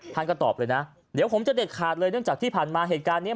ท่านก็ตอบเลยนะเดี๋ยวผมจะเด็ดขาดเลยเนื่องจากที่ผ่านมาเหตุการณ์เนี้ย